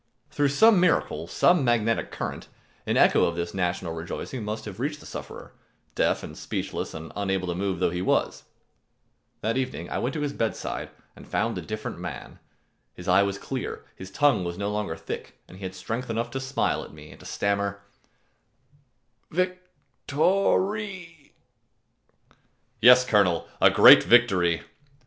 Through some miracle, some magnetic current, an echo of this national rejoicing must have reached the sufferer, deaf and speechless and unable to move though he was. That evening when I went to his bedside, I found a different man. His eye was clear, his tongue was no longer thick, and he had strength enough to smile at me and to stammer, "Vic to ry!" "Yes, Colonel, a great victory!"